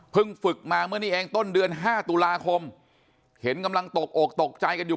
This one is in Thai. ฝึกมาเมื่อนี้เองต้นเดือน๕ตุลาคมเห็นกำลังตกอกตกใจกันอยู่